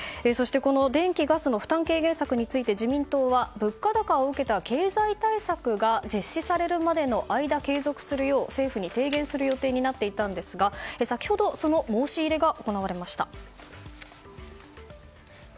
電気・ガスの負担軽減策について自民党は、物価高を受けた経済政策が実施されるまで継続するよう、政府に提言する予定になっていたんですが先ほどその申し入れが行われました。